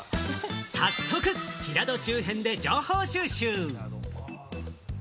早速、平戸周辺で情報収集。